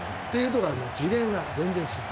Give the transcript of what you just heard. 次元が全然違う。